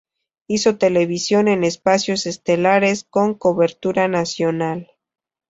Hizo televisión en espacios estelares, con cobertura nacional.